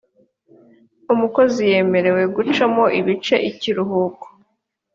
umukozi yemerewqe gucamo ibice ikiruhukoe